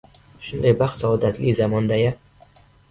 — Shunday baxt-saodatli zamonda-ya?